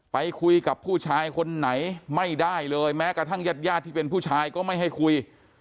ไปคุยกับผู้ชายคนไหนไม่ได้เลยแม้กระทั่งญาติญาติที่เป็นผู้ชายก็ไม่ให้คุย